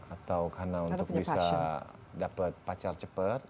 atau karena untuk bisa dapat pacar cepet